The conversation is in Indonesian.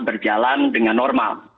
berjalan dengan normal